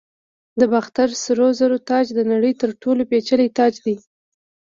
د باختر سرو زرو تاج د نړۍ تر ټولو پیچلی تاج دی